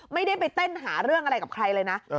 ไม่ได้ไปเต้นหาเรื่องอะไรกับใครเลยนะ